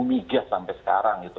migas sampai sekarang itu